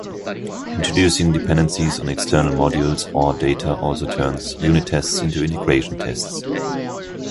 Introducing dependencies on external modules or data also turns "unit tests" into "integration tests".